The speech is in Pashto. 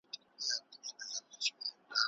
ډیجیټل ټیکنالوژي د معلوماتو ذخیره آسانه کوي.